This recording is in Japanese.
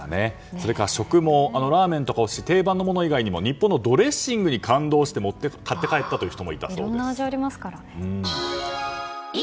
それから食もラーメンとかも多いし定番のもの以外にも日本のドレッシングに感動して、買って帰ったといういろんな味がありますからね。